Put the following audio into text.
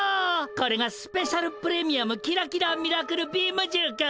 これがスペシャル・プレミアムキラキラ・ミラクル・ビームじゅうか。